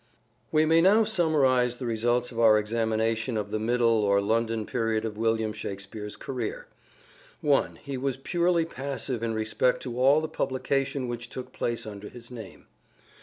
We may now summarize the results of our examina tion of the middle or London period of William Shakspere's career. 1. He was purely passive in respect to all the publication which took place under his name.